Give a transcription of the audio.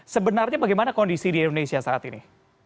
sebenarnya bagaimana kondisi di indonesia saat ini